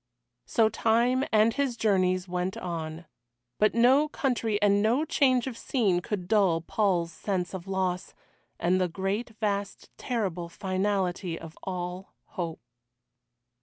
So time, and his journeys, went on. But no country and no change of scene could dull Paul's sense of loss, and the great vast terrible finality of all hope.